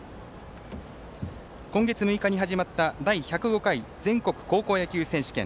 今月６日に始まった第１０５回全国高校野球選手権。